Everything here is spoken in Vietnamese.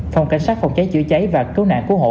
phòng cảnh sát phòng cháy chữa cháy và cứu nạn cứu hộ